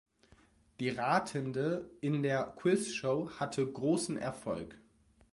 Die Ratende in der Quizshow hatte großen Erfolg.